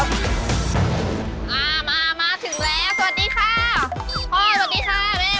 มาถึงแล้วสวัสดีครับ